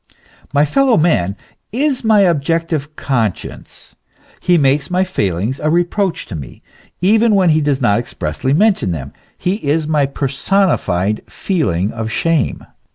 My fellow man is my objective conscience; he makes my failings a reproach to me, even when he does not expressly mention thenv he is my personified feeling of shame.